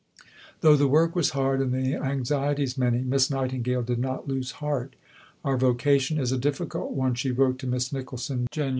Though the work was hard and the anxieties many, Miss Nightingale did not lose heart. "Our vocation is a difficult one," she wrote to Miss Nicholson (Jan.